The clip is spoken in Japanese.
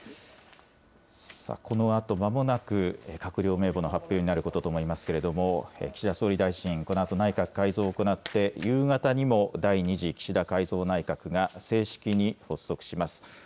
このあと、まもなく閣僚名簿の発表になることと思いますけれども、岸田総理大臣、このあと内閣改造を行って、夕方にも第２次岸田改造内閣が正式に発足します。